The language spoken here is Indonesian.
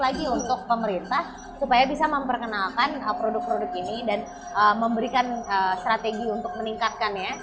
dan juga untuk pemerintah supaya bisa memperkenalkan produk produk ini dan memberikan strategi untuk meningkatkannya